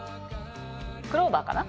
クローバーかな？